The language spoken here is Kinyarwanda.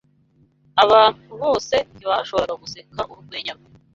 Abantu bose ntibashoboraga guseka urwenya rwe.